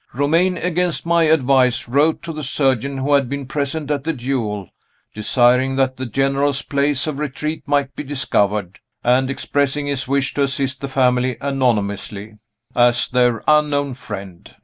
Romayne, against my advice, wrote to the surgeon who had been present at the duel, desiring that the General's place of retreat might be discovered, and expressing his wish to assist the family anonymously, as their Unknown Friend.